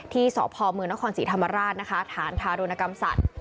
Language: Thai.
ที่สภมนศรีธรรมราชฐานธารณกรรมศัตริย์